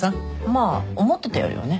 まあ思ってたよりはね。